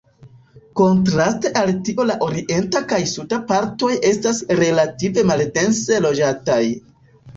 Kontraste al tio la orienta kaj suda partoj estas relative maldense loĝataj.